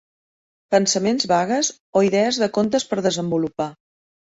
Pensaments vagues o idees de contes per desenvolupar.